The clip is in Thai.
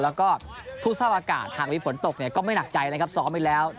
แล้วก็ทุกท่าวอากาศคาไม่เหนื่อยผลตกก็ไม่หนักใจส้อมอีกแล้ว